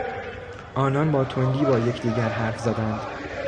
آنان با تندی با یکدیگر حرف زدند.